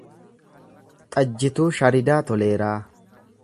Xajjituu Sharidaa Toleeraa